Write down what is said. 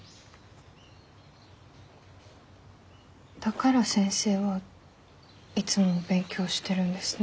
だから先生はいつも勉強してるんですね。